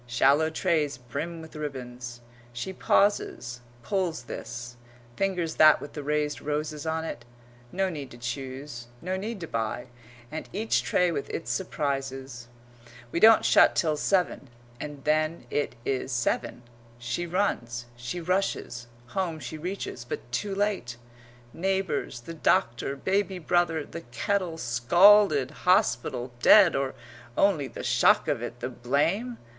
Shallow trays brim with ribbons. She pauses, pulls this, fingers that with the raised roses on it no need to choose, no need to buy, and each tray with its surprises. "We don't shut till seven," and then it is seven. She runs, she rushes, home she reaches, but too late. Neighbours the doctor baby brother the kettle scalded hospital dead or only the shock of it, the blame?